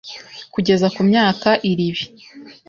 kugeza ku myaka iribi